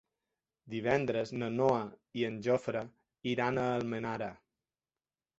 Divendres na Noa i en Jofre iran a Almenara.